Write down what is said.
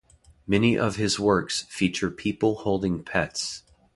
Many of his works feature people holding pets.